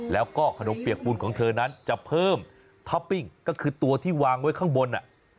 แล้วก็ขนมเปียกปูนของเธอนั้นจะเพิ่มท็อปปิ้งก็คือตัวที่วางไว้ข้างบน